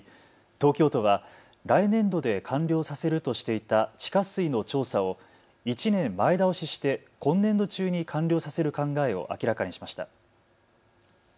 東京都は来年度で完了させるとしていた地下水の調査を１年前倒しして今年度中に完了させる考えを明らかにしました。